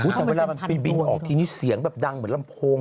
แต่เวลามันไปบินออกทีนี้เสียงแบบดังเหมือนลำโพง